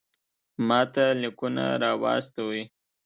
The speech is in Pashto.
ماته لیکونه را واستوئ.